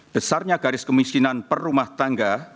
besarnya garis kemiskinan per rumah tangga